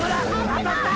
当たった！